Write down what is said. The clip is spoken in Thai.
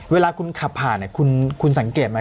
เวลาคุณขับผ่านเนี่ยคุณสังเกตไหมครับ